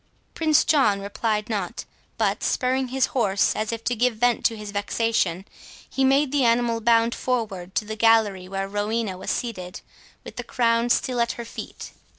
Prince John replied not; but, spurring his horse, as if to give vent to his vexation, he made the animal bound forward to the gallery where Rowena was seated, with the crown still at her feet.